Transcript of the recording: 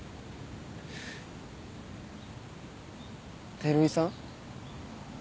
照井さん？